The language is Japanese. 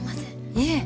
いえ